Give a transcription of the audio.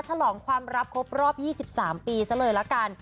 ฉลองความรับครบรอบ๒๓ปีซะเลยละกัน